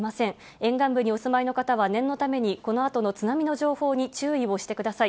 沿岸部にお住まいの方は、念のためにこのあとの津波の情報に注意をしてください。